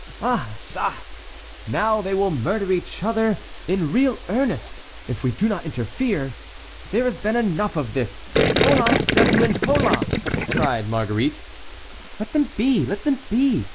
"Ah ça! now they will murder each other in real earnest, if we do not interfere. There has been enough of this. Holá, gentlemen!—holá!" cried Marguerite. "Let them be! let them be!"